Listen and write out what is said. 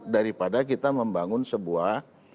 daripada kita membangun sebuah